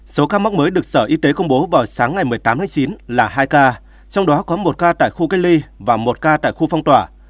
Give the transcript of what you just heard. số ca mắc mới được sở y tế công bố vào sáng ngày một mươi tám tháng chín là hai ca trong đó có một ca tại khu cách ly và một ca tại khu phong tỏa